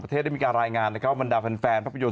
ประเทศได้มีการรายงานนะครับบรรดาแฟนแฟนภักดิ์ประโยชน์